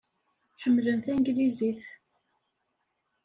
Ḥemmlen tanglizit.